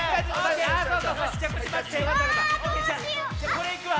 これいくわ。